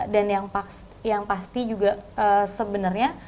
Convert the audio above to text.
dan yang pasti juga sebenarnya